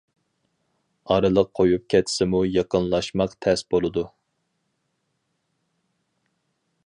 ئارىلىق قۇيۇپ كەتسىمۇ يېقىنلاشماق تەس بولىدۇ.